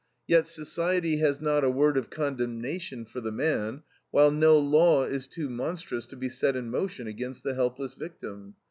Yet society has not a word of condemnation for the man, while no law is too monstrous to be set in motion against the helpless victim.